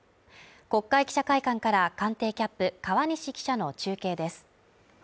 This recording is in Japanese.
国会記者会館から官邸キャップ川西記者の中継です